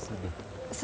ini untuk harga masuk